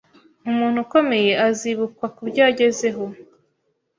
Umuntu ukomeye azibukwa kubyo yagezeho